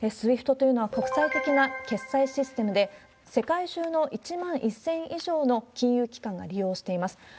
ＳＷＩＦＴというのは、国際的な決済システムで、世界中の１万１０００以上の金融機関が利用しています。